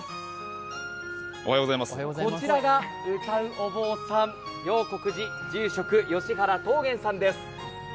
こちらが歌うお坊さん、永谷寺住職・吉原東玄さんです。